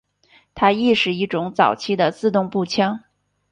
它亦是一种早期的自动步枪。